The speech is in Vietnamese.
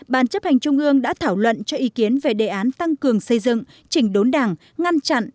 ban chấp hành trung ương đã thảo luận cho ý kiến về đề án tăng cường xây dựng chỉnh đốn đảng ngăn chặn